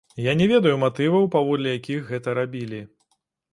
Я не ведаю матываў, паводле якіх гэта рабілі.